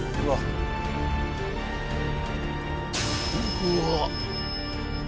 うわっ。